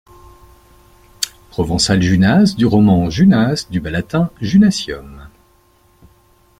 Provençal Junas, du roman Junas, du bas latin Junatium.